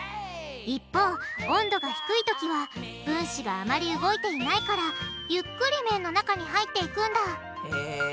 一方温度が低いときは分子があまり動いていないからゆっくりめんの中に入っていくんだ。